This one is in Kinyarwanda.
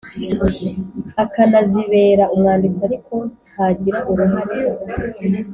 Akanazibera umwanditsi ariko ntagira uruhare